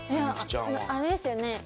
あれですよね？